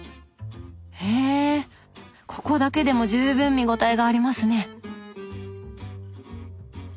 へぇここだけでも十分見応えがありますね。